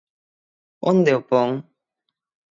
Onde o pon?